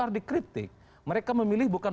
arti kritik mereka memilih bukan